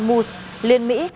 moose liên mỹ